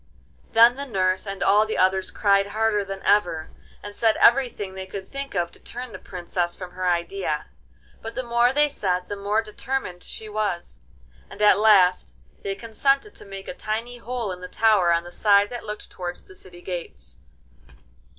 Then the nurse and all the others cried harder than ever, and said everything they could think of to turn the Princess from her idea. But the more they said the more determined she was, and at last they consented to make a tiny hole in the tower on the side that looked towards the city gates.